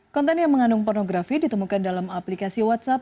konten yang mengandung pornografi ditemukan dalam aplikasi whatsapp